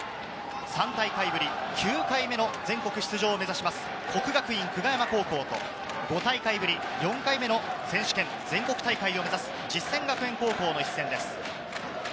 ３大会ぶり９回目の全国出場を目指します、國學院久我山高校と５大会ぶり４回目の選手権、全国大会を目指す実践学園高校の一戦です。